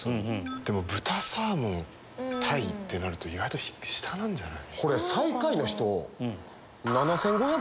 でも豚サーモンタイってなると意外と下なんじゃない？